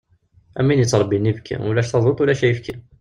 Am win yettṛebbin ibki, ulac taduḍt, ulac ifki.